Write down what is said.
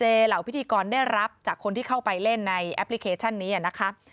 เหล่าพิธีกรได้รับจากคนที่เข้าไปเล่นในแอปพลิเคชันนี้นะคะ